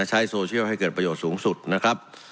ใช้โซเชียลให้เกิดประโยชน์สูงสุดนะครับ